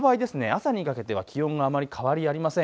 朝にかけては気温があまり変わりありません。